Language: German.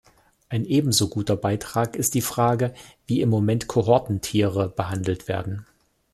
Ein ebenso guter Beitrag ist die Frage, wie im Moment Kohortentiere behandelt werden.